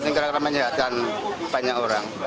sekarang karena tidak akan banyak orang